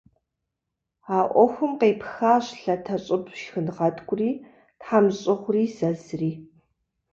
А ӏуэхум къепхащ лъатэщӏыб шхынгъэткӏури, тхьэмщӏыгъури, зэзри.